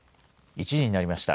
１時になりました。